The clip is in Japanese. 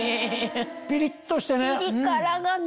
ピリっとしてね。